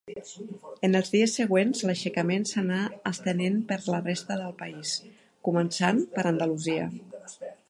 En els dies següents l'aixecament s'anà estenent per la resta del país, començant per Andalusia.